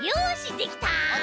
できた？